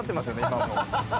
今も。